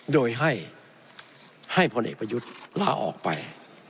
โดยให้พลเอกประยุทธ์ลาออกไป